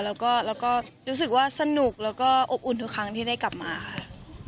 แล้วก็รู้สึกว่าสนุกแล้วก็อบอุ่นทุกครั้งที่ได้กลับมาค่ะ